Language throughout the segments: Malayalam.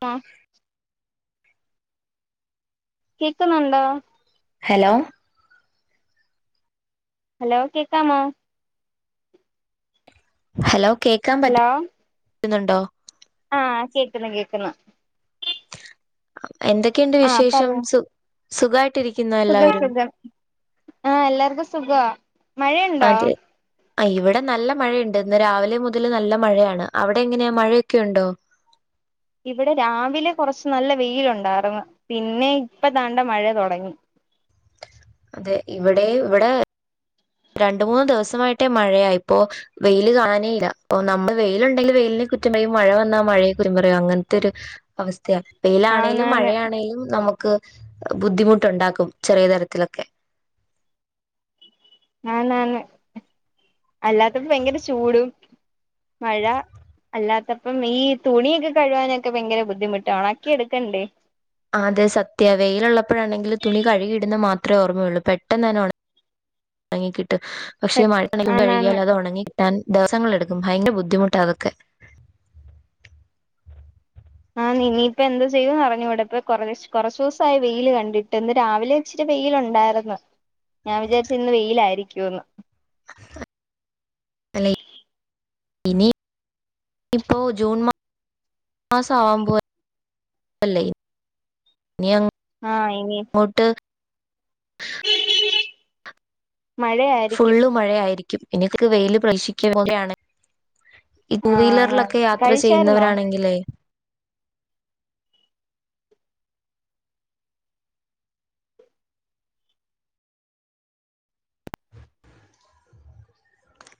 ട്ടാഹ് കേക്കുന്നുണ്ടോ ഹലോ ഹലോ കേക്കാമോ ഹലോ കേക്കാൻ പറ്റും ഹലോ ക്കുന്നുണ്ടോ ആഹ് കേക്ക്ന്ന് കേക്ക്ന്ന് എന്തൊക്കെയുണ്ട് ആഹ് വിശേഷം പറഞ്ഞോ സു സുഖായി ട്ടിരിക്കുന്നോ സുഖം എല്ലാവരും സുഖം ആഹ് എല്ലാർക്കും സുഖവാ മഴയുണ്ടോ അതെ അഇവിടെ നല്ല മഴയുണ്ട് ഇന്ന് രാവിലെ മുതല് നല്ല മഴയാണ് അവിടെ എങ്ങനെയാ മഴയൊക്കെ ഉണ്ടോ ഇവിടെ രാവിലെ കുറച്ച് നല്ല വെയിലുണ്ടായിരുന്നു പിന്നെ ഇപ്പ ദാണ്ട മഴ തുടങ്ങി അത് ഇവിടെ ഇവിടാ രണ്ട് മൂന്നു ദിവസമായിട്ടേ മഴയാ ഇപ്പൊ വെയിൽ കാണാനേ ഇല്ല അപ്പൊ നമ്മള് വെയിലുണ്ടെങ്കിൽ വെയിലിന് കുറ്റം പറയും മഴ വന്നാ മഴയെ കുറ്റം പറയും അങ്ങനത്തെ ഒരു അവസ്ഥയാ വെയിലാണേലും ആന്നാന്ന് മഴയാണേലും നമുക്ക് ബുദ്ധിമുട്ടുണ്ടാക്കും ചെറിയ തരത്തിലൊക്കെ ആന്നന്ന് അല്ലാത്തപ്പോ ഭയങ്കര ചൂടും മഴ അല്ലാത്തപ്പം ഈ തുണിയൊക്കെ കഴുവാനൊക്കെ ഭയങ്കര ബുദ്ധിമുട്ടാ ഉണാക്കി എടുക്കണ്ടേ അതെ സത്യാ വെയിലുള്ളപ്പോഴാണെങ്കിൽ തുണി കഴുകി ഇടുന്ന മാ ത്രേ ഓർമ്മയള്ളൂ പെട്ടെന്ന് തന്നെ ഉണങ്ങി കി ട്ടും പക്ഷെ മഴ [unintelligible] ആന്നാന്ന് കഴുകിയാൽ അത് ഉണങ്ങി കിട്ടാൻ ദിവസങ്ങൾ എടുക്കും ഭയങ്കര ബുദ്ധിമുട്ടാ അതൊക്കെ ആഹ് ഇനിപ്പാ എന്താ ചെയ്യൂന്ന് അറിഞ്ഞൂടാ ഇപ്പ കൊറ കൊറച്ച് ദിവസായി വെയിൽ കണ്ടിട്ട് ഇന്ന് രാവിലെ ഇച്ചിരി വെയിലുണ്ടാർന്ന് ഞാൻ വിചാരിച്ച് ഇന്ന് വെയിലായിരിക്കുംന്ന് അല്ലെ ഇനിപ്പോ ജൂൺ മാസം ആവാൻ പോവല്ലേ ആഹ് ഇനി ഇനിയങ്ങോട്ട് മഴയായിരിക്കും ക്കും ഇനി [unintelligible] വെയില് [unintelligible] ഈ ടു ആഹ് വീലറിലൊക്കെ യാത്ര കഴിച്ചായിരുന്നോ ചെയ്യുന്നവരാണെങ്കിലേ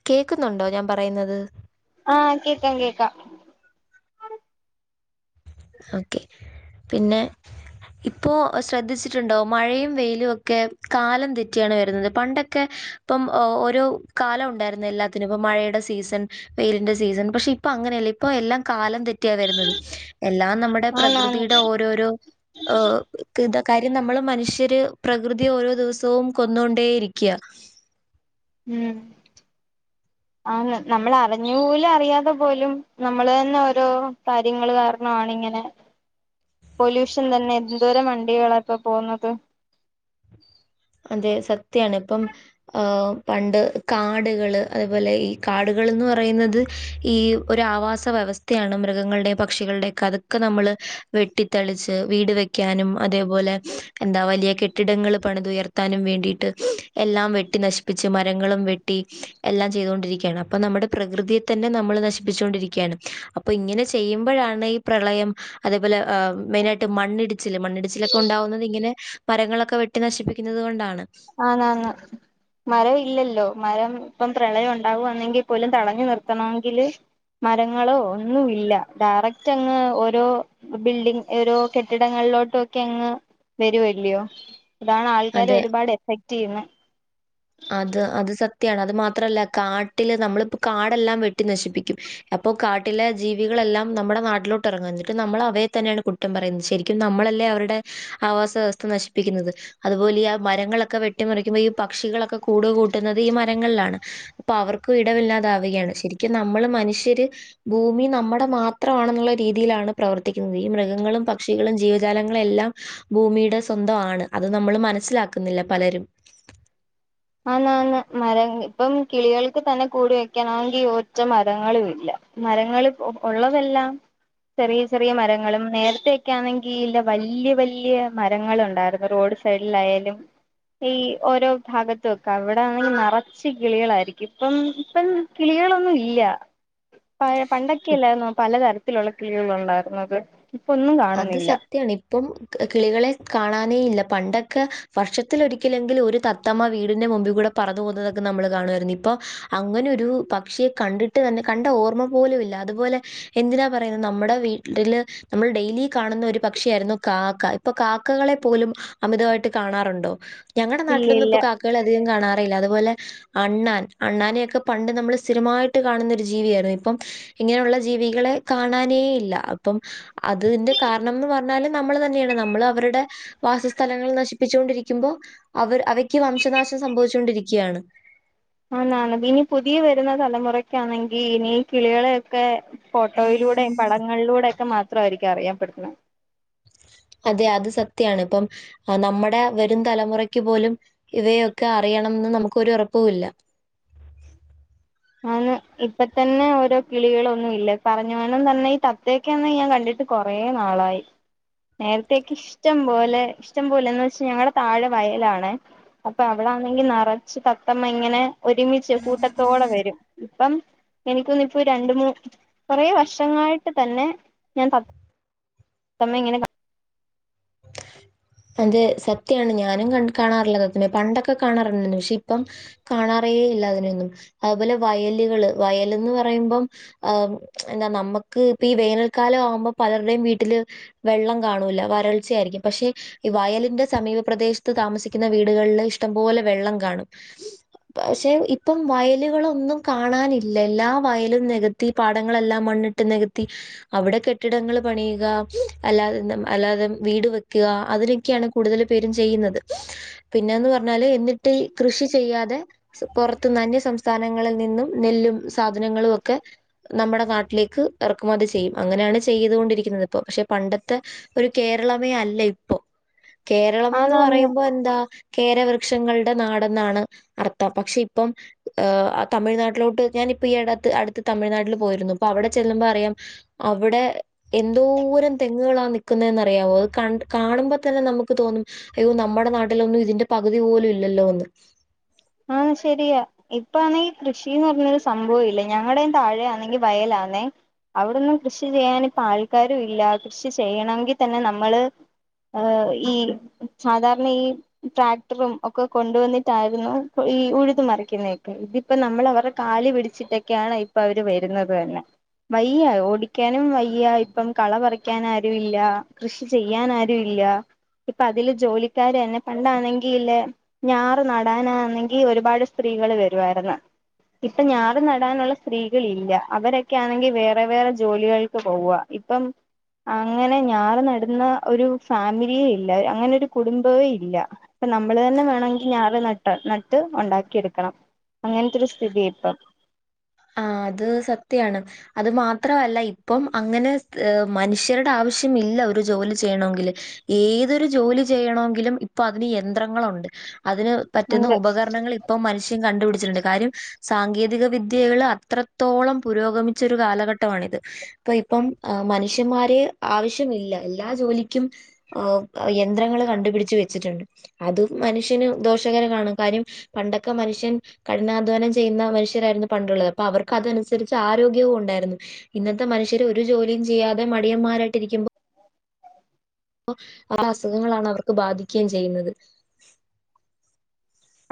കേക്കുന്നുണ്ടോ ഞാൻ പറയുന്നത് ആഹ് കേക്കാം കേക്കാം ഓക്കെ പിന്നെ ഇപ്പൊ ശ്രദ്ധിച്ചിട്ടുണ്ടോ മഴയും വെയിലും ഒക്കെ കാലം തെറ്റിയാണ് വരുന്നത് പണ്ടൊക്കെ ഇപ്പം ഓരോ കാലം ഉണ്ടായിരുന്ന് എല്ലാത്തിനും ഇപ്പ മഴയുടെ സീസൺ വെയിലിന്റെ സീസൺ പക്ഷെ ഇപ്പ അങ്ങനെയല്ല ഇപ്പൊ എല്ലാം കാലം തെറ്റിയാ വരുന്നത് എല്ലാം നമ്മുടെ ആന്നാന്ന് പ്രകൃതിയുടെ ഓരോരോ ഈഹ് [unintelligible] കാര്യം നമ്മള് മനുഷ്യര് പ്രകൃതി ഓരോ ദിവസവും കൊന്നൊണ്ടേയിരിക്കുവ ഉം ആന്ന് നമ്മൾ അറിഞ്ഞു പോലും അറിയാതെ പോലും നമ്മള് തന്നെ ഓരോ കാര്യങ്ങള് കാരണം ആണ് ഇങ്ങനെ പൊല്യൂഷൻ തന്നെ എന്തോരം വണ്ടികളാ ഇപ്പൊ പോകുന്നത് അതെ സത്യാണ് ഇപ്പം പണ്ട് കാടുകള് അതേപോലെ ഈ കാടുകൾന്ന് പറയുന്നത് ഈ ഒരു ആവാസ വ്യവസ്ഥയാണ് മൃഗങ്ങളുടേം പക്ഷികളുടേം ഒക്കെ അതൊക്കെ നമ്മള് വെട്ടിത്തെളിച്ച് വീട് വെക്കാനും അതേപോലെ എന്താ വലിയ കെട്ടിടങ്ങൾ പണിതുയർ ത്താനും വേണ്ടിട്ട് എല്ലാം വെട്ടി നശിപ്പിച്ച് മരങ്ങളും വെട്ടി എല്ലാം ചെയ്തുകൊണ്ടിരിക്കയാണ് അപ്പൊ നമ്മുടെ പ്രകൃതിയെ തന്നെ നമ്മള് നശിപ്പിച്ചു കൊണ്ടിരിക്കയാണ് അപ്പൊ ഇങ്ങനെ ചെയ്യുമ്പോഴാണ് ഈ പ്രളയം അതേപോലെ മെയിനായിട്ട് മണ്ണിടിച്ചിൽ മണ്ണിടിച്ചിലൊക്കെ ഉണ്ടാകുന്നത് ഇങ്ങനെ മരങ്ങളൊക്കെ വെട്ടി നശിപ്പ് പ്പിക്കുന്നത് കൊണ്ടാണ് ആന്നന്ന് മരം ഇല്ലല്ലോ മരം ഇപ്പം പ്രളയം ഉണ്ടാവുന്നെങ്കിൽ പോലും തടഞ്ഞു നിർത്തണമെങ്കില് മരങ്ങളോ ഒന്നും ഇല്ല ഡയറക്റ്റ് അങ്ങ് ഓരോ ബിൽഡിങ് ഓരോ കെട്ടിടങ്ങളിലോട്ടുംക്കെ അങ്ങ് വരുവല്ല്യായോ ഇതാണ് ആൾക്കാര് അതെ ഒരുപാട് [unintelligible] അത് അത് സത്യാണ് അത് മാത്രല്ല കാട്ടില് നമ്മളിപ്പോ കാടെല്ലാം വെട്ടി നശിപ്പിക്കും അപ്പൊ കാട്ടിലെ ജീവികളെല്ലാം നമ്മുടെ നാട്ടിലോട്ടിറങ്ങും എന്നിട്ട് നമ്മൾ അവയെ തന്നെയാണ് കുറ്റം പറയുന്നത് ശരിക്കും നമ്മളല്ലേ അവരുടെ ആവാസവ്യവസ്ഥ നശിപ്പിക്കുന്നത് അതുപോലെ ആ മരങ്ങളൊക്കെ വെട്ടിമറിക്കുമ്പോ ഈ പക്ഷികള ഒക്കെ കൂട് കൂട്ടുന്നത് ഈ മരങ്ങളിലാണ് അപ്പൊ അവർക്കും ഇടവില്ലാതാവുകയാണ് ശരിക്കും നമ്മള് മനുഷ്യര് ഭൂമി നമ്മുടെ മാത്രമാണെന്നുള്ള രീതിയിലാണ് പ്രവർത്തിക്കുന്നത് ഈ മൃഗങ്ങളും പക്ഷികളും ജീവജാലങ്ങളുംയെല്ലാം ഭൂമിയുടെ സ്വന്തമാണ് അത് നമ്മൾ മനസ്സിലാക്കുന്നില്ല പലരും ആന്ന് ആന്ന് മരം ഇപ്പം കിളികൾക്ക് തന്നെ കൂട് വെക്കണാെങ്കിൽ ഒറ്റ മരങ്ങളും ഇല്ല മരങ്ങൾ ഉള്ളതെല്ലാം ചെറിയ ചെറിയ മരങ്ങളും നേരത്തേക്കെയാണെങ്കി ലാ വലിയ വലിയ മരങ്ങളുണ്ടായിരുന്നു റോഡ് സൈഡിലായാലും ഈ ഓരോ ഭാഗ ത്തോക്കാ അവിടാണെങ്കിൽ നിറച്ച് കിളികളായിരിക്കും ഇപ്പം ഇപ്പം കിളികളൊന്നും ഇല്ല പ പണ്ടൊക്കെ ഇണ്ടായിരുന്നു പലതരത്തിലുള്ള കിളികൾ ഉണ്ടായിരുന്നത് ഇപ്പൊ ഒന്നും അത് കാണുന്നില്ല സത്യാണ് ഇപ്പം കിളികളെ കാണാനേ ഇല്ല പണ്ടക്കെ വർഷത്തെരിക്കലെങ്കിലു ഒരു തത്തമ്മ വീടിന്റെ മുമ്പി കൂടെ പറന്ന പോകുന്നതൊക്കെ നമ്മൾ കാണോയിരുന്നു ഇപ്പൊ അങ്ങനെ ഒരു പക്ഷിയെ കണ്ടിട്ട് തന്നെ കണ്ട ഓർമ്മ പോലുല്ല അതുപോലെ എന്തിനാ പറയുന്നത് നമ്മുടെ വീട്ടില് നമ്മൾ ഡൈ നീ കാണുന്ന ഒരു പക്ഷിയായിരുന്നു കാക്ക ഇപ്പൊ കാക്കകളെ പോലും അമിതമായിട്ട് കാണാറുണ്ടോ ഞങ്ങടെ ഇല്ല നാട്ടിലൊന്നും ഇല്ല ഇപ്പൊ കാക്കകളെ അിതികം കാണാ ഇലല അതുപോലെ അണ്ണാൻ അണ്ണാനെയൊക്കെ പണ്ട് നമ്മൾ സ്ഥിരമായിട്ട് കാണുന്ന ഒരു ജീവിയായ്രുന്നു ഇപ്പം ഇങ്ങനെയുള്ള ജീവികളെ കാണാനേ ഇല്ല അപ്പം അത് ത്‌തിന്റെ കാരണം എന്ന് പറഞ്ഞാലും നമ്മൾ തന്നെയാണ് നമ്മൾ അവരുടെ വാസസ്ഥലങ്ങൾ നശിപ്പിച്ചു കൊണ്ടിരിക്കുമ്പോ അവർ അവയ്ക്ക് വംശനാശം സംഭവിച്ച് കൊണ്ടിരിക്കാണ് ആണ് ആണ് ഇനി പുതിയ വരുന്ന തലമുറക്കാണെങ്കി ഇനി കിളികളെയൊക്കെ ഫോട്ടോയിലൂടെയ് പടങ്ങളിലൂടെയൊ ക്കെ മാത് ത്രായിരിക്ക അറിയാൻ പെട്ണ് അതെ അത് സത്യാണ് ഇപ്പം നമ്മടെ വരും തലമുറക്ക് പോലും ഇവയൊക്കെ അറിയണംന്ന് നമുക്കൊരു ഉറപ്പൂല്ല ആഹ് ഇപ്പ തന്നെ ഓരോ കിളികളൊന്നും ഇല്ല പറഞ്ഞ പോലെ തന്നെ ഈ തത്തയൊക്കെ തന്നെ ഞാൻ കണ്ടിട്ട് കൊറേ നാളായി നേരത്തെക്കിഷ്ടം പോലെ ഇഷ്ടം പോലെന്ന് വെച്ച ഞങ്ങളടെ താഴെ വയലാണ് അപ്പൊ അവിടൊണെങ്കി നിറച്ച് തത്തമ്മ ഇങ്ങനെ ഒരുമിച്ച് കൂട്ടത്തോടെ വരു ഇപ്പം എനിക്ക്‌ തോന്നുന്നത് ഇപ്പൊ രണ്ടു മൂ കൊറെ വർഷങ്ങളായിട്ട് തന്നെ ഞാൻ തത്തമ്മ ഇങ്ങനെ അത് സത്യാണ് ഞാനും ക കാണാറില്ലാ തത്തമ്മയെ പണ്ടൊക്കെ കാണാറുണ്ടായിരുന്നു പക്ഷെ ഇപ്പം കാണാറേ ഇല്ലാ അതിയൊനൊന്നും അതുപോലെ വയലുകള് വയലന്ന് പറയുമ്പം ആ എന്താ നമ്മുക്ക് ഇപ്പ ഈ വേനൽക്കാലം ആവുമ്പോ പലരുടെയും വീട്ടില് വെള്ളം കാണൂല്ല വരൾച്ചയായിരിക്കും പക്ഷെ ഈ വയലിന്റെ സമീപ പ്രദേശത്ത് താമസിക്കുന്ന വീടുകളിൽ ഇഷ്ടം പോലെ വെള്ളം കാണും പക്ഷെ ഇപ്പം വയലുകളൊന്നും കാണാനില്ല എല്ലാ വയലും നികത്തി പാടങ്ങളെല്ലാം മണ്ണിട്ട് നികത്തി അവിടെ കെട്ടിടങ്ങൾ പണിയുക അല്ലാതെ അല്ലാതെ വീട് വെക്കുക അതിനൊക്കെയാണ് കൂടുതൽ പേരും ചെയ്യുന്നത് പിന്നേന്ന് പറഞ്ഞാല് എന്നിട്ട് കൃഷി ചെയ്യാതെ പുറത്തുന്ന് അന്യ സംസ്ഥാനങ്ങളിൽ നിന്നും നെല്ലും സാധനങ്ങളും ഒക്കെ നമ്മുടെ നാട്ടിലേക്ക് ഇറക്കുമതി ചെയ്യും അങ്ങനെയാണ് ചെയ്തുകൊണ്ടിരിക്കുന്നത് ഇപ്പോ പക്ഷെ പണ്ടത്തെ ഒരു കേരളമേ അല്ല കേരളംന്ന് ആന്നാന്ന് പറയുമ്പോ എന്താ കേരവൃക്ഷങ്ങളുടെ നാടെന്നാണ് അർത്ഥം പക്ഷെ ഇപ്പം തമിഴ്നാട്ടിലോട്ട് ഞാനിപ്പം ഈ അടുത്ത് അടുത്ത് തമിഴ്നാട്ടിൽ പോയിരുന്നു അപ്പൊ അവിടെ ചെല്ലുമ്പോ അറിയാം അവിടെ എന്തോരം തെങ്ങുകളാണ് നിൽക്കുന്നേന്ന് അറിയമോ അത് കണ്ട് കാണുമ്പോ തന്നെ നമുക്ക് തോന്നും അയ്യോ നമ്മുടെ നാട്ടിലൊന്നും ഇതിന്റെ പകുതി പോലും ഇല്ലല്ലോ എന്ന് ആഹ് ശെരിയാ ഇപ്പാണെങ്കി ഈ കൃഷിന്ന് പറഞ്ഞരു സംഭവ ഇല്ല ഞങ്ങളുടെയും താഴെ ആണെങ്കി വയലാന്നേ അവിടൊന്നും കൃഷി ചെയ്യാനിപ്പം ആൾക്കാരും ഇല്ല കൃഷി ചെയ്യണമെങ്കിൽ തന്നെ നമ്മള് ഈ സാധാരണ ഈ ട്രാക്ടറും ഒക്കെ കൊണ്ടുവന്നിട്ടായിരുന്നു ഈ ഉഴുതു മറിക്കുന്നേക്കെ ഇതിപ്പോ നമ്മൾ അവരുടെ കാല് പിടിച്ചിട്ടൊക്കെയാണ് ഇപ്പൊ അവര് വരുന്നത് തന്നെ വയ്യ ഓടിക്കാനും വയ്യ ഇപ്പം കള പറിക്കാൻ ആരും ഇല്ല കൃഷി ചെയ്യാൻ ആരും ഇല്ല ഇപ്പ അതില് ജോലിക്കാര് തന്നെ പണ്ടാണെങ്കിൽല്ലേ ഞാറ് നടാനാന്നെ ഈ ഒരുപാട് സ്ത്രീകൾ വരുവായിരുന്നു ഇപ്പൊ ഞാറ് നടാനുള്ള സ്ത്രീകൾ ഇല്ല അവരൊക്കൊണെങ്കിൽ വേറെ വേറെ ജോലികൾക്ക് പോവുക ഇപ്പം അങ്ങനെ ഞാറ് നടുന്ന ഒരു ഫാമിലിയേ ഇല്ല അങ്ങനെ ഒരു കുടുംബവേ ഇല്ല അപ്പം നമ്മള് തന്നെ വേണെങ്കിൽ ഞാർ ന [unintelligible] [unintelligible] ഉണ്ടാക്കി എടുക്കണം അങ്ങനത്തൊരു സ്ഥിതിയാ ഇപ്പം ആ അത് സത്യാണ് അത് മാത്രല്ല ഇപ്പം അങ്ങനെ മനുഷ്യരുടെ ആവശ്യം ഇല്ല ഒരു ജോലി ചെയ്യണമെങ്കില് ഏതൊരു ജോലി ചെയ്യണമെങ്കിലും ഇപ്പൊ അതിന് യന്ത്രങ്ങളുണ്ട് അതിന് പറ്റുന്ന ഉണ്ട് ഉപകരണങ്ങൾ ഇപ്പം മനുഷ്യ കണ്ടുപിടിച്ചിട്ടുണ്ട് കാര്യം സാങ്കേതിക വി വിദ്യകൾ അത്രത്തോളം പുരോഗമിച്ച ഒരു കാലഘട്ടമാണിത് ഇപ്പ ഇപ്പം മനുഷ്യന്മാര് ആവശ്യമില്ല എല്ലാ ജോലിക്കും യന്ത്രങ്ങൾ കണ്ടുപിടിച്ചു വെച്ചിട്ടുണ്ട് അതും മനുഷ്യന് ദോഷകരമാണ് കാര്യം പണ്ടൊക്കെ മനുഷ്യൻ കഠിനാധ്വാനം ചെയ്യുന്ന മനുഷ്യരായിരുന്നു പണ്ടുള്ളത് അപ്പൊ അവർക്ക് അതനുസരിച്ച് ആരോഗ്യവും ഉണ്ടായിരുന്നു ഇന്നത്തെ മനുഷ്യര് ഒരു ജോലിയും ചെയ്യാതെ മടിയന്മാരായിട്ടിരിക്കുമ്പോ അപ്പോ പല അസുഖങ്ങളാണ് അവർക്ക് ബാധിക്കുകയും ചെയ്യുന്നത്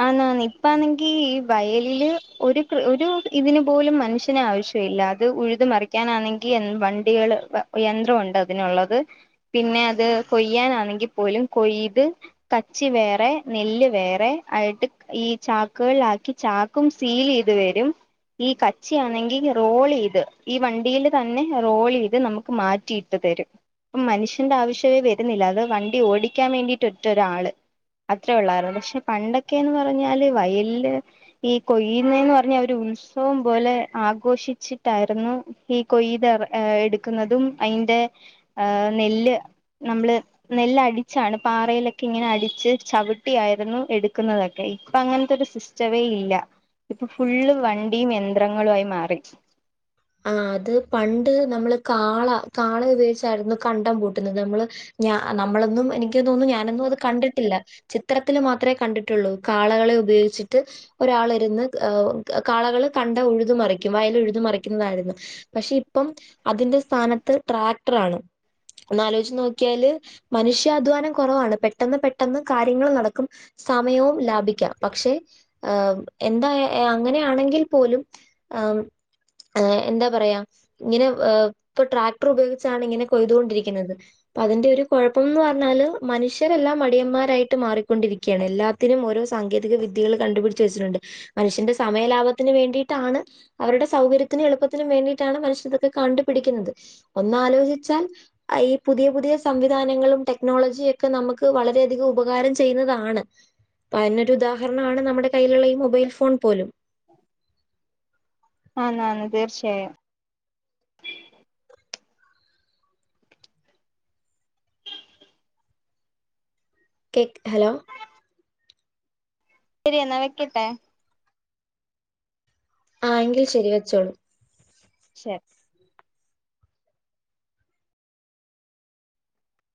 ആന്നാന്ന് ഇപ്പാണെങ്കി ഈ വയലില് ഒരു ഒരു ഇതിന് പോലും മനുഷ്യന് ആവശ്യമില്ല അത് ഉഴുത് മറിക്കാനാണെങ്കി വണ്ടികള് യന്ത്രംണ്ട് അതിനുള്ളത് പിന്നെ അത് കൊയ്യാനാണെങ്കിൽ പോലും കൊയ്ത് കച്ചി വേറെ നെല്ല് വേറെ ആയിട്ട് ഈ ചാക്കുകളിലക്കി ചാക്കും സീൽ ചെയ്ത് വരും ഈ കച്ചിയാണെങ്കിൽ റോൾ ചെയ്ത് ഈ വണ്ടിൽ തന്നെ റോൾ ചെയ്ത് നമുക്ക് മാറ്റിയിട്ട് തരും ഉം മനുഷ്യന്റെ ആവശ്യമേ വരുന്നില്ല അത് വണ്ടി ഓടിക്കാൻ വേണ്ടിട്ട ഒറ്റ ഒരാള് അത്ര ഉള്ളയിരുന്നു പക്ഷെ പണ്ടൊ ക്കെന്ന് പറഞ്ഞാല് വയല് ഈ കൊയുന്നെന്ന് പറഞ്ഞാൽ ഒരു ഉത്സവം പോലെ ആഘോഷിച്ചിട്ടായിരുന്നു ഈ കൊയ്തു എടുക്കുന്നതും അതിന്റെ നെല്ല് നമ്മള് നെല്ല് അ ടിച്ചാണ് പാറയിലൊക്കെ ഇങ്ങനെ അടിച്ച് ചവിട്ടിയായിരുന്നു എടു ക്കുന്നതൊക്കെ ഇപ്പൊ അങ്ങനത്തെ ഒരു സിസ്റ്റമേ ഇല്ല ഇപ്പൊ ഫുള്ള് വണ്ടിയും യന്ത്രങ്ങളും ആയി മാറി ആ അത് പണ്ട് നമ്മള് കാള കാള ഉപയോഗിച്ചായിരുന്നു കണ്ടം പൂട്ടുന്നത് നമ്മള് ഞ നമ്മളൊന്നും എനിക്ക് തോന്നുന്നു ഞാനൊന്നും അത് കണ്ടിട്ടില്ല ചിത്രത്തിൽ മാത്രമേ കണ്ടിട്ടുള്ളൂ കാളകളെ ഉപയോഗിച്ചിട്ട് ഒരാൾ ഇരുന്ന് കാളകള് കണ്ടം ഉഴുത മറിക്കും വയൽ ഉഴുതു മറി ക്കുന്നതായിരുന്നു പക്ഷെ ഇപ്പം അതിന്റെ സ്ഥാനത്ത് ട്രാക്ടർ ആണ് ഒന്നാലോചിച്ച് നോക്കിയാല് മനുഷ്യാധ്വാനം കുറവാണ് പെട്ടെന്ന് പെട്ടെന്ന് കാര്യങ്ങൾ നടക്കും സമയവും ലാഭിക്കാം പക്ഷെ എന്താ അങ്ങനെയാണെങ്കിൽ പോലും ആഹ് ഏഹ് എന്താ പറയാ ഇങ്ങനെ ഇപ്പൊ ട്രാക്ടർ ഉപയോഗിച്ചാണ് ഇങ്ങനെ കൊയ്തുകൊണ്ടിരിക്കുന്നത് അപ്പ അതിന്റെ ഒരു കുഴപ്പംന്ന് പറഞ്ഞാല് മനുഷ്യരെല്ലാം മടിയന്മാരായിട്ട് മാറിക്കൊണ്ടിരിക്കുകയാണ് എല്ലാത്തിനും ഓരോ സാങ്കേതിക വിദ്യകൾ കണ്ടുപിടിച്ച വെച്ചിട്ടുണ്ട് മനുഷ്യന്റെ സമയ ലാഭത്തിന് വേണ്ടിയിട്ടാണ് അവരുടെ സൗകര്യ ത്തിനും എളുപ്പത്തിനന് വേണ്ടിയിട്ടാണ് മനുഷ്യ ഇതൊക്കെ കണ്ടുപിടിക്കുന്നത് ഒന്നാലോചിച്ചാൽ ഈ പുതിയ പുതിയ സംവിധാനങ്ങളും ടെക്നോളജിയ ഒക്കെ നമുക്ക് വളരെയധികം ഉപകാരം ചെയ്യുന്നതാണ് അതിനൊരു ഉദാഹരണമാണ് നമ്മുടെ കയ്യിലുള്ള ഈ മൊബൈൽ ഫോൺ പോലും ആന്ന് ആന്ന് തീർച്ചയായും കേക്ക് ഹലോ ശരിയെന്നാ വെക്കട്ടെ ആ എങ്കിൽ ശരി വെച്ചോളൂ ശരി